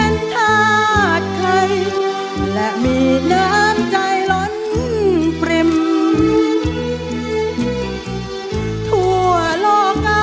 คนเย็นใจสื่อได้ชื่อว่าไทยร้องมาจากในชาติไทยไม่คิดหรอกครับ